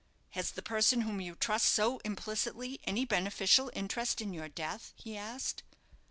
"Has the person whom you trust so implicitly any beneficial interest in your death?" he asked.